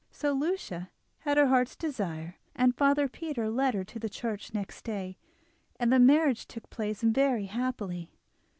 So Lucia had her heart's desire, and father Peter led her to the church next day, and the marriage took place very happily.